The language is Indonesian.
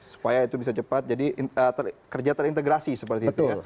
supaya itu bisa cepat jadi kerja terintegrasi seperti itu ya